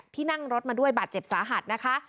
นั่งรถมาด้วยบาดเจ็บสาหัสนะคะ